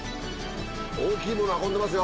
大きいもの運んでますよ。